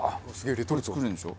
これで作れるんでしょ？